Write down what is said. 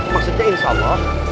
maksudnya insya allah